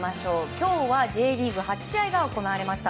今日はＪリーグ８試合が行われました。